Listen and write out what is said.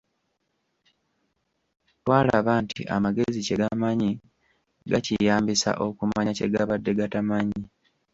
Twalaba nti amagezi kye gamanyi gakiyambisa okumanya kye gabadde gatamanyi.